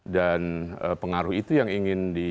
dan pengaruh itu yang ingin dikawal